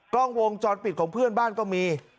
กล้องวงจรปิดของเพื่อนบ้านก็มี